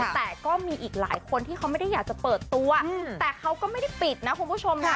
แต่ก็มีอีกหลายคนที่เขาไม่ได้อยากจะเปิดตัวแต่เขาก็ไม่ได้ปิดนะคุณผู้ชมนะ